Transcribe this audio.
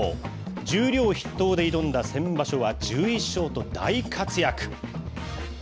十両筆頭で挑んだ先場所は１１勝と大活躍。